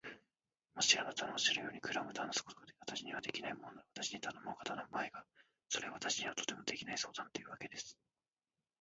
もしあなたのおっしゃるように、クラムと話すことが私にはできないものなら、私に頼もうが頼むまいが、それは私にはとてもできない相談というわけです。